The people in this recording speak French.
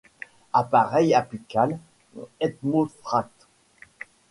Appareil apical ethmophracte.